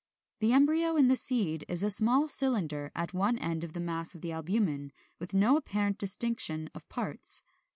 58, 59) the embryo in the seed is a small cylinder at one end of the mass of the albumen, with no apparent distinction of parts.